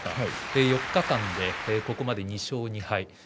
４日間でここまで２勝２敗。